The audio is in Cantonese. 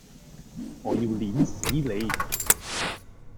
我要摙死你!